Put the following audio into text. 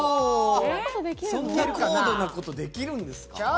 そんな高度なこと、できるんですか？